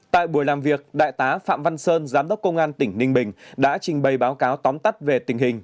tại buổi làm việc đại tá phạm văn sơn giám đốc công an tỉnh ninh bình đã trình bày báo cáo tóm tắt về tình hình